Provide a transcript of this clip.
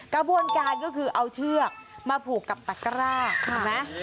กระบวนการก็คือเอาเชือกมาผูกกับตะกร้าถูกไหม